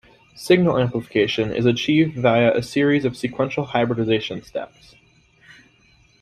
Signal amplification is achieved via series of sequential hybridization steps.